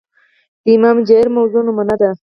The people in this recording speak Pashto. د امام جائر موضوع نمونه ده